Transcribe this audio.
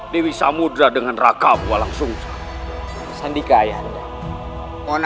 pusaran air apa itu